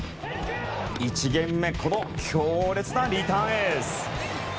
１ゲーム目この強烈なリターンエース！